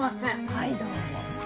はいどうも。